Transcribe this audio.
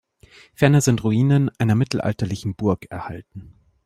Ferner sind Ruinen einer mittelalterlichen Burg erhalten.